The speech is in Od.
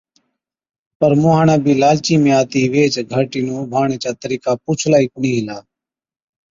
پَر مُونهاڻَي بِي لالچِي ۾ آتِي ويهچ گھَرٽِي نُون اُڀاڻڻي چا طرِيقا پُوڇلا ئِي ڪونهِي هِلا۔